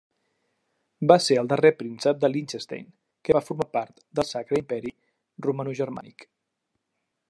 Va ser el darrer príncep de Liechtenstein que va formar part del Sacre Imperi Romanogermànic.